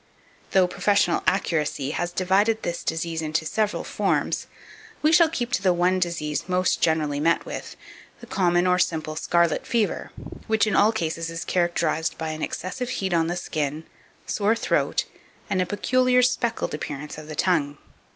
2560. Though professional accuracy has divided this disease into several forms, we shall keep to the one disease most generally mot with, the common or simple scarlet fever, which, in all cases, is characterized by an excessive heat on the skin, sore throat, and a peculiar speckled appearance of the tongue.